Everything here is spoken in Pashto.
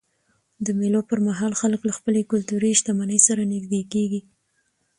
د مېلو پر مهال خلک له خپلي کلتوري شتمنۍ سره نيژدې کېږي.